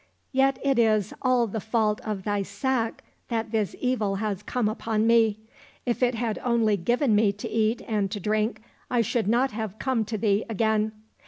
Yet it is all the fault of thy sack that this evil has come upon me. If it had only given me to eat and to drink, I should not have come to thee again."